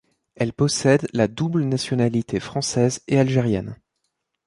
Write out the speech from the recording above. Elle possède la double nationalité française et algérienne.